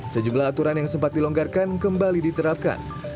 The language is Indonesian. sejumlah aturan yang sempat dilonggarkan kembali diterapkan